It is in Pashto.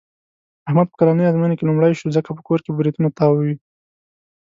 احمد په کلنۍ ازموینه کې لومړی شو. ځکه په کور کې برېتونه تاووي.